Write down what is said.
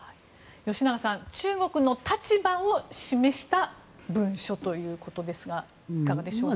吉永さん、中国の立場を示した文書ということですがいかがでしょうか？